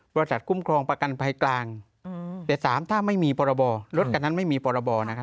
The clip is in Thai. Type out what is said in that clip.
๒บริษัทคุ้มครองประกันภัยกลางแต่๓ถ้าไม่มีปรบรถกันนั้นไม่มีปรบ